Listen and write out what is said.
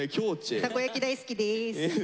たこ焼き大好きです。